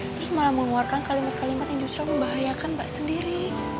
terus malah mengeluarkan kalimat kalimat yang justru membahayakan mbak sendiri